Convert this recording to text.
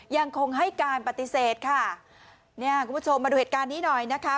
ยังคงให้การปฏิเสธค่ะเนี่ยคุณผู้ชมมาดูเหตุการณ์นี้หน่อยนะคะ